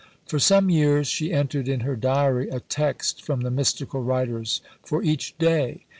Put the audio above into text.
For some years she entered in her diary a text from the mystical writers for each day.